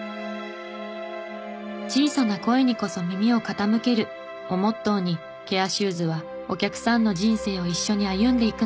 「小さな声にこそ耳を傾ける」をモットーにケアシューズはお客さんの人生を一緒に歩んでいくのです。